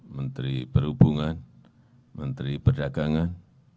menteri perhubungan menteri berdagangan